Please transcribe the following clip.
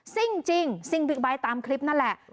ซิ่งจริงซิ่งบิ๊กไบท์ตามคลิปนั่นแหละ